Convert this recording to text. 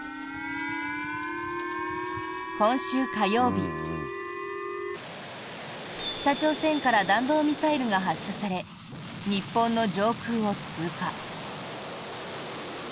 今週火曜日、北朝鮮から弾道ミサイルが発射され日本の上空を通過。